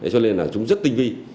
cho nên là chúng rất tinh vi